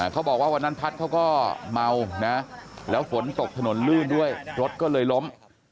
เขาบอกว่าวันนั้นพัฒน์เขาก็เมานะแล้วฝนตกถนนลื่นด้วยรถก็เลยล้ม